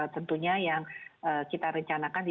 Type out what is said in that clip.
tentunya yang kita rejelasi